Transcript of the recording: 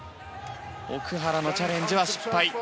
奥原のチャレンジは失敗。